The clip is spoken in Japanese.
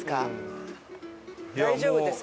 大丈夫ですか？